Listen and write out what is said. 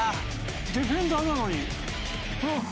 ディフェンダーなのに。